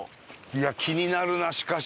いや気になるなしかし。